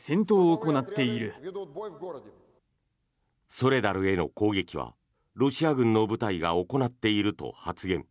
ソレダルへの攻撃はロシア軍の部隊が行っていると発言。